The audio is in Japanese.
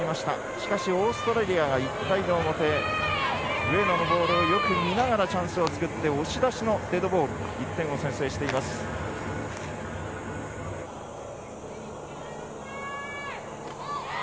しかし、オーストラリアが１回の表上野のボールをよく見ながらチャンスを作って押し出しのデッドボール。